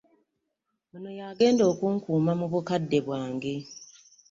Ono y'agenda okunkuuma mu bukadde bwange.